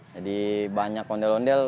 jadi banyak ondel ondel